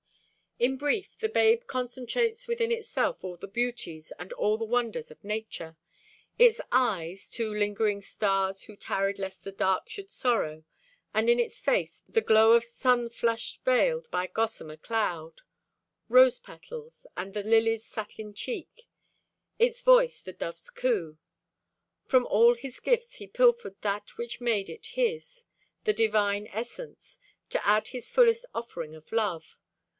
In brief, the babe concentrates within itself all the beauties and all the wonders of nature. Its eyes, "two lingering stars who tarried lest the dark should sorrow," and in its face "the glow of sun flush veiled by gossamer cloud," "rose petals" and the "lily's satin cheek"; its voice the dove's coo. "From all His gifts He pilfered that which made it His"—the divine essence—"to add His fullest offering of love."